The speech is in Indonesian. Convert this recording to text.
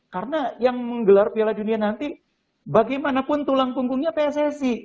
karena yang menggelar piala dunia nanti bagaimanapun tulang punggungnya pssi